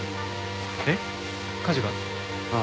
えっ火事が？ああ。